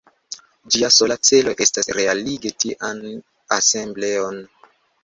Ĝia sola celo estas realigi tian asembleon.